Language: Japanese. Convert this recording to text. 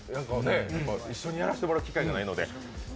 一緒にやらせてもらう機会がないので。